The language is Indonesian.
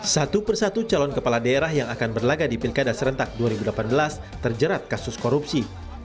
satu persatu calon kepala daerah yang akan berlaga di pilkada serentak dua ribu delapan belas terjerat kasus korupsi